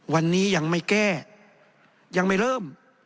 วันนี้ยังไม่แก้ยังไม่เริ่ม